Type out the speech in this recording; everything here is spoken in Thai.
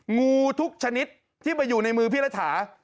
งูทุกชนิดที่มาอยู่ในมือพี่รัฐา